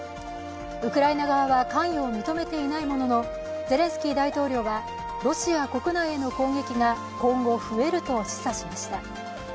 ウクライナ側は関与を認めていないものの、ゼレンスキー大統領は、ロシア国内への攻撃が今後増えると示唆しました。